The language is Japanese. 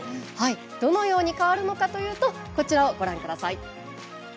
どのように変わるかというとこちらをご覧ください。